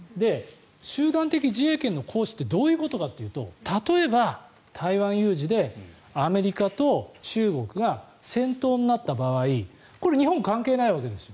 集団的自衛権の行使ってどういうことかというと例えば、台湾有事でアメリカと中国が戦闘になった場合これ、日本は関係ないわけです。